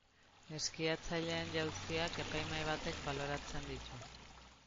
Eskiatzaileen jauziak epaimahai batek baloratzen ditu.